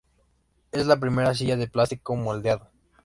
Es la primera silla de plástico moldeado.